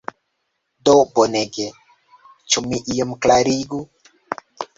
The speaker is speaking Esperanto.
Do bonege, ĉu mi iom klarigu?